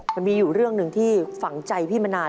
มันมีอยู่เรื่องหนึ่งที่ฝังใจพี่มานาน